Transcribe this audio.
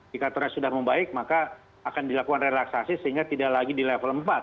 jika trend sudah membaik maka akan dilakukan relaksasi sehingga tidak lagi di level empat